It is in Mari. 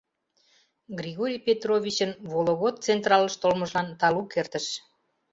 Григорий Петровичын Вологод централыш толмыжлан талук эртыш.